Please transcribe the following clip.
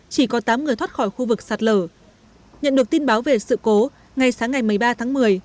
chỉ có tám người thoát khỏi khu vực sạt lở nhận được tin báo về sự cố ngay sáng ngày một mươi ba tháng một mươi